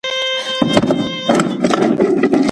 معنوي کلتور ټولنیز پرمختګونه اړین بولي.